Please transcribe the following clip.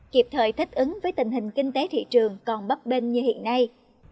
kịp thời thích ứng với tình hình kinh tế thị trường còn bấp bênh như hiện nay